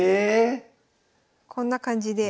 ええ⁉こんな感じで。